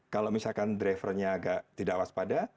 kalau misalkan drivernya agak tidak waspada